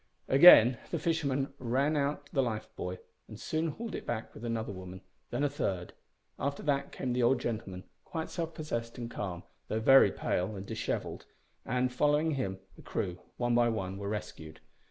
Again the fishermen ran out the life buoy and soon hauled it back with another woman; then a third. After that came the old gentleman, quite self possessed and calm, though very pale and dishevelled; and, following him, the crew, one by one, were rescued.